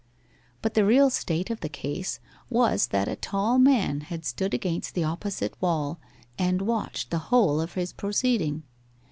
But the real state of the case was that a tall man had stood against the opposite wall and watched the whole of his proceeding.